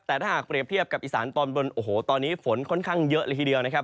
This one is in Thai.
แต่ถ้าหากเปรียบเทียบกับอีสานตอนบนโอ้โหตอนนี้ฝนค่อนข้างเยอะเลยทีเดียวนะครับ